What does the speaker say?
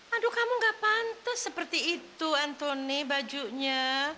aduh kamu gak pantas seperti itu antoni bajunya